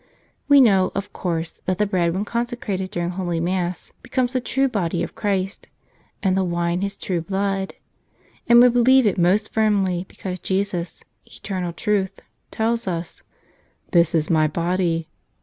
We know, of course, that the bread when conse¬ crated during Holy Mass becomes the true Body of Christ and the wine His true Blood. And we believe it most firmly because Jesus, Eternal Truth, tells us, "This is My Body."